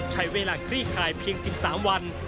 ใช้เวลาคลี่คลายเพียง๑๓วัน